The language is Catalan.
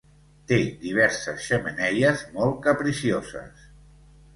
Té diverses xemeneies molt capricioses.